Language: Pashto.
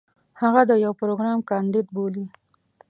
هغه د يو پروګرام کانديد بولي.